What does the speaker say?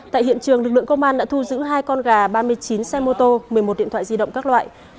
tại hiện trường lực lượng công an đã thu giữ hai con gà ba mươi chín xe mô tô một mươi một điện thoại di động các loại